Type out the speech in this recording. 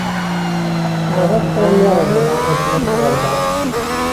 Maɣef ay aɣ-bɣan ad d-nas ɣer da?